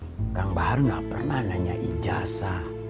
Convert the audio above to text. akang bahar gak pernah nanya ijasa